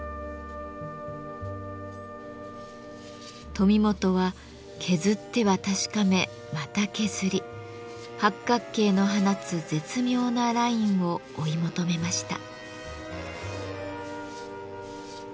富本は削っては確かめまた削り八角形の放つ絶妙なラインを追い求めました。